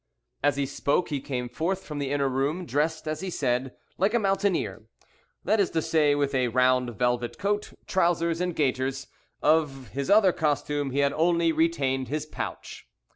As he spoke he came forth from the inner room, dressed, as he said, like a mountaineer; that is to say, with a round velvet coat, trowsers, and gaiters; of his other costume he had only retained his pouch.